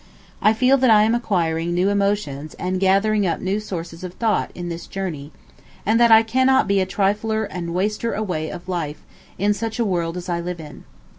I feel that I am acquiring new emotions and gathering up new sources of thought in this journey, and that I cannot be a trifler and waster away of life in such a world as that I live in.